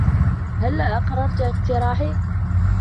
هلّا أقررت اقتراحي ؟